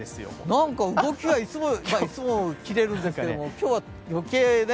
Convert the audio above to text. なんか動きがいつもよりいつもキレるんですけど今日は余計ね。